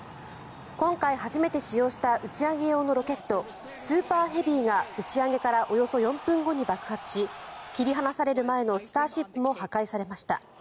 今回初めて使用した打ち上げ用のロケットスーパーヘビーが打ち上げからおよそ４分後に爆発し切り離される前のスターシップも破壊されました。